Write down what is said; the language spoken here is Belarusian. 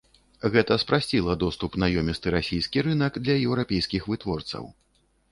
Гэта спрасціла доступ на ёмісты расійскі рынак для еўрапейскіх вытворцаў.